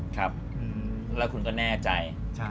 ๊อเจมส์และคุณก็แน่ใจ